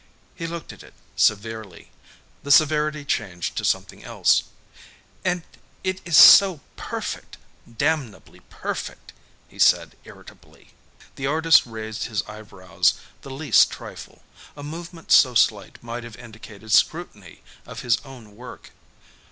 He looked at it severely. The severity changed to something else. "And it is so perfect damnably perfect," he said irritably. The artist raised his eyebrows the least trifle. A movement so slight might have indicated scrutiny of his own work.